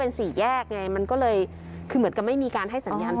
สี่แยกไงมันก็เลยคือเหมือนกับไม่มีการให้สัญญาณ